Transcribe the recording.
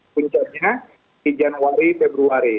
puncaknya di januari februari